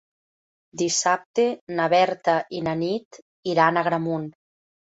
Dissabte na Berta i na Nit iran a Agramunt.